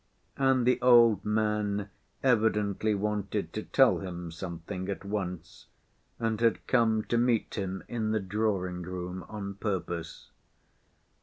And the old man evidently wanted to tell him something at once and had come to meet him in the drawing‐room on purpose.